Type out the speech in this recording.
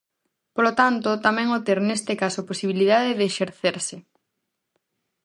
Polo tanto, tamén o ter neste caso posibilidade de exercerse.